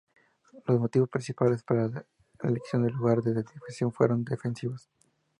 Los motivos principales para la elección del lugar de edificación fueron defensivos.